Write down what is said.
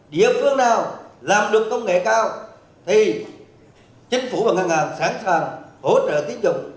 địa phương nào làm được công nghệ cao thì chính phủ và ngân hàng sẵn sàng hỗ trợ tiến dụng